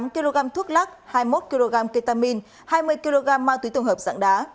tám kg thuốc lắc hai mươi một kg ketamine hai mươi kg ma túy tổng hợp dạng đá